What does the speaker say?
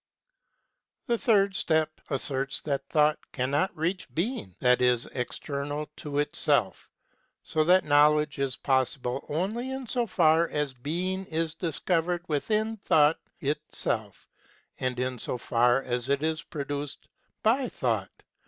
The third step asserts that Thought cannot reach Being that is external to itself, so that Knowledge is possible only in so far as Being is discovered within Thought itself, and in so far as it is produced by Thought.